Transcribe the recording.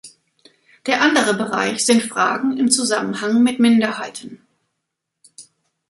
Der andere Bereich sind Fragen im Zusammenhang mit Minderheiten.